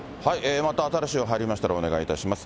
また新しい情報入りましたら、お願いします。